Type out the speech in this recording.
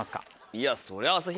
いやそれは。